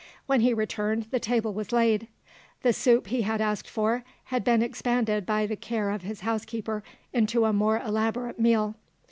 When he returned, the table was laid; the soup he had asked for had been expanded by the care of his house keeper into a more elaborate meal.